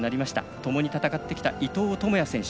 ともに戦ってきた伊藤智也選手。